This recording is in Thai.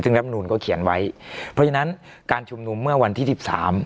ซึ่งรับนูลก็เขียนไว้เพราะฉะนั้นการชุมนุมเมื่อวันที่สิบสาม